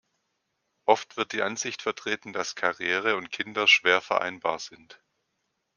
Oft wird die Ansicht vertreten, dass Karriere und Kinder schwer vereinbar sind.